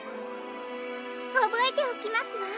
おぼえておきますわ。